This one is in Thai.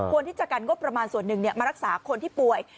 ที่จะกันงบประมาณส่วนหนึ่งมารักษาคนที่ป่วย